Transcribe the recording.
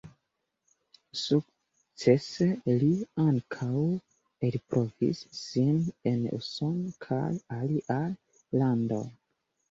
Sukcese li ankaŭ elprovis sin en Usono kaj aliaj landoj.